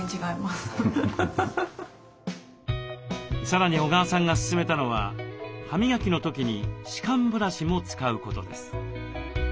さらに小川さんが勧めたのは歯磨きの時に歯間ブラシも使うことです。